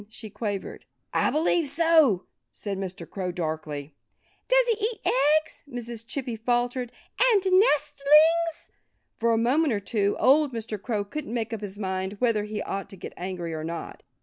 she quavered. "I believe so," said Mr. Crow darkly. "Does he eat eggs?" Mrs. Chippy faltered. "And nestlings?" For a moment or two old Mr. Crow couldn't make up his mind whether he ought to get angry or not.